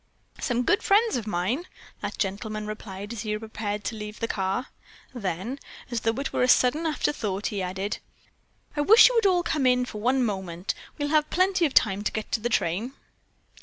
"Some good friends of mine," that gentleman replied as he prepared to leave the car. Then, as though it were a sudden afterthought, he added: "I wish you would all come in for one moment. We'll have plenty of time to get the train."